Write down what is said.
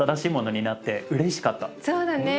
そうだね。